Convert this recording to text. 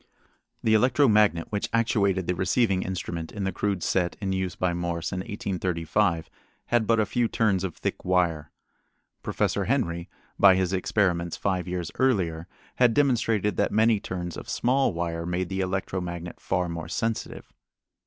The electro magnet which actuated the receiving instrument in the crude set in use by Morse in 1835 had but a few turns of thick wire. Professor Henry, by his experiments five years earlier, had demonstrated that many turns of small wire made the electro magnet far more sensitive.